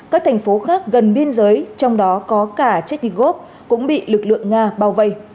các thành phố khác gần biên giới trong đó có cả technigov cũng bị lực lượng nga bao vây